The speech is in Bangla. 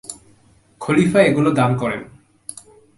খলিফা এগুলো দান করেন।